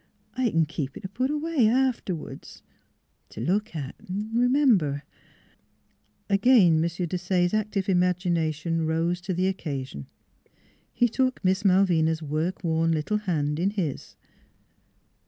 I c'n keep it put away, afterwards t' look at, V r'member." Again M. Desaye's active imagination rose to the occasion. He took Miss Malvina's work worn little hand in his.